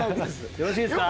よろしいですか？